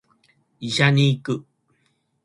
医者に行く